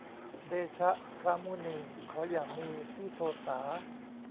เดชะพระมุนี ขออย่ามีที่โทษา